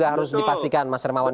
harus dipastikan mas remawan